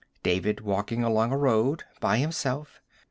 David walking along a road, by himself.